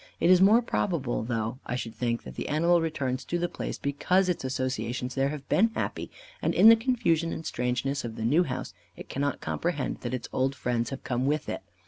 It is more probable though, I should think, that the animal returns to the place because its associations there have been happy, and, in the confusion and strangeness of the new house, it cannot comprehend that its old friends have come with it.